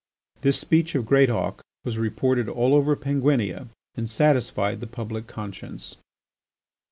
This speech of Greatauk was reported all over Penguinia and satisfied the public conscience.